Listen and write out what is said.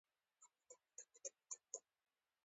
ژوندي د وینو ارزښت پېژني